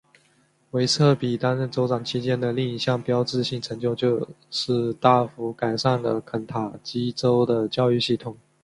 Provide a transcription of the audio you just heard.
韦瑟比担任州长期间的另一项标志性成就是大幅改善了肯塔基州的教育系统。